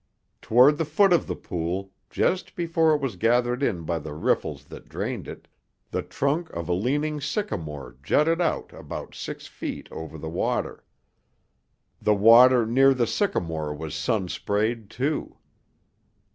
Toward the foot of the pool, just before it was gathered in by the riffles that drained it, the trunk of a leaning sycamore jutted out about six feet over the water. The water near the sycamore was sun sprayed, too.